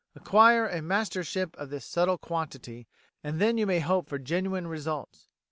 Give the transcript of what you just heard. Acquire a mastership of this subtle quantity, and then you may hope for genuine results.